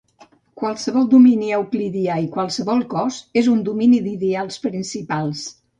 Qualsevol domini euclidià i qualsevol cos és un domini d'ideals principals.